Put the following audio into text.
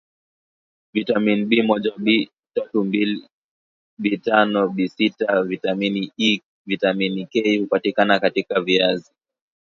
vitamini B moja B tatu Bmbili B tano B sita vitamini E vitamini K hupatikana katika viazi